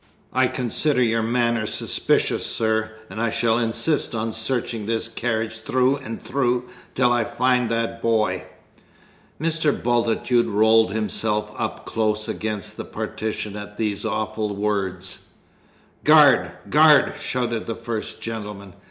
I consider your manner suspicious, sir; and I shall insist on searching this carriage through and through till I find that boy!" Mr. Bultitude rolled himself up close against the partition at these awful words. "Guard, guard!" shouted the first gentleman.